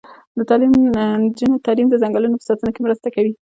د نجونو تعلیم د ځنګلونو په ساتنه کې مرسته کوي.